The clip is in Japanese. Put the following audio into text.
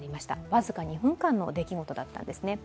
僅か２分間の出来事だったんですね